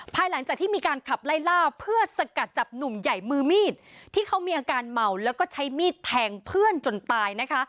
ภายหลังจากที่มีการขับไล่ล่าเพื่อสกัดจับหนุ่มใหญ่มือมีดที่เขามีอาการเมาแล้วก็ใช้มีดแทงเพื่อนจนตายนะคะ